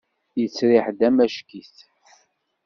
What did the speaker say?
Yettriḥ-d amack-it.